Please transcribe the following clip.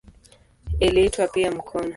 Iliitwa pia "mkono".